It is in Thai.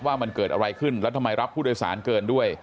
ว่ามันเกิดอะไรขึ้นแล้วทำไมรับผู้โดยสารเกินด้วย